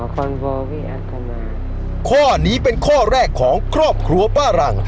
อ๋อคุณโบวี่อัตธมาข้อนี้เป็นข้อแรกของครอบครัวป้าหลัง